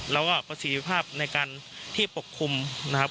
แล้วก็ประสิทธิภาพในการที่ปกคลุมนะครับ